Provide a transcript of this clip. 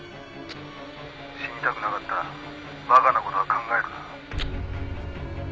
「死にたくなかったら馬鹿な事は考えるな」